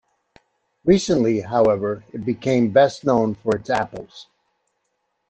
Recently, however, it became best known for its apples.